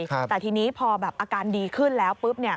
แต่ทีนี้พอแบบอาการดีขึ้นแล้วปุ๊บ